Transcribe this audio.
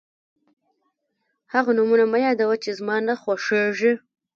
هغه نومونه مه یادوه چې زما نه خوښېږي.